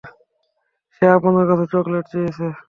সে আপনার কাছে চকলেট চেয়েছে?